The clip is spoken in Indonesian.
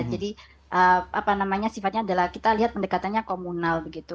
jadi apa namanya sifatnya adalah kita lihat pendekatannya komunal begitu